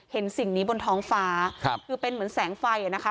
สิ่งนี้บนท้องฟ้าคือเป็นเหมือนแสงไฟอ่ะนะคะ